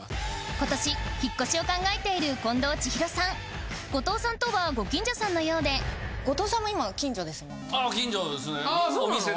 今年引越しを考えている近藤千尋さん後藤さんとはご近所さんのようで後藤さんも今近所ですもんね。